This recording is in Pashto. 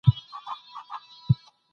تاسي باید هره ورځ خپله مننه تازه کړئ.